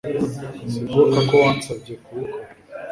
Sinibuka ko wansabye kubikora